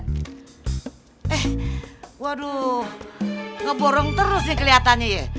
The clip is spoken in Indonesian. eh waduh ngeborong terus sih kelihatannya ya